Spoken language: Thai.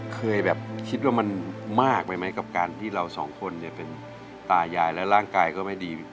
เคยแบบคิดว่ามันมากไปไหมกับการที่เราสองคนเนี่ยเป็นตายายแล้วร่างกายก็ไม่ดี